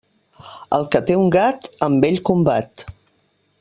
El que té un gat, amb ell combat.